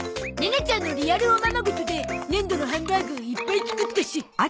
ネネちゃんのリアルおままごとで粘土のハンバーグいっぱい作ったし。